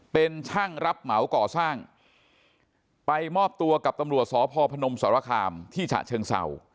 เป็นช่างรับเหมาก่อสร้างไปมอบตัวกับตำรวจสพพนมสรคามที่ฉะเชิงเศร้า